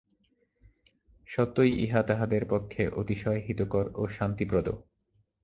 সত্যই ইহা তাহাদের পক্ষে অতিশয় হিতকর ও শান্তিপ্রদ।